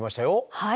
はい。